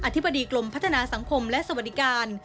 ธิบดีกรมพัฒนาสังคมและสวัสดิการ